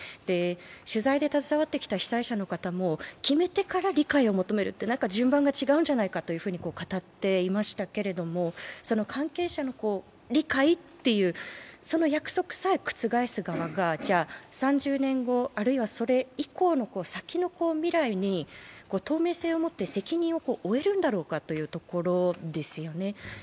取材で携わってきた被災者の方も決めてから理解を得ると順番が違うんじゃないかと語っていましたけれども、関係者の理解っていう、その約束さえ覆す側が、じゃ、３０年後、あるいは、それ以降の先の未来に透明性を持って責任を負えるんだろうかというところですよね